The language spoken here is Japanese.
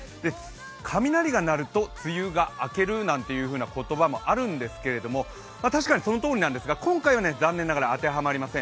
雷が鳴ると、梅雨が明けるなんていう言葉もあるんですけれども、確かにそのとおりなんですが今回は当てはまりません。